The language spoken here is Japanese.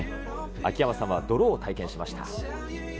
秋山さんは泥を体験しました。